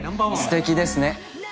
すてきですね。